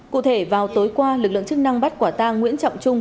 cụ thể vào tối qua lực lượng chức năng bắt quả tang nguyễn trọng trung